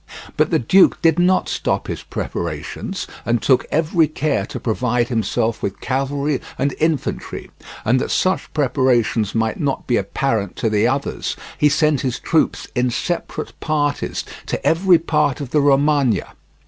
But the duke did not stop his preparations, and took every care to provide himself with cavalry and infantry, and that such preparations might not be apparent to the others, he sent his troops in separate parties to every part of the Romagna.